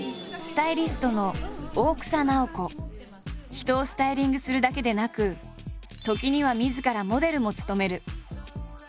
人をスタイリングするだけでなく時にはみずからモデルも務める。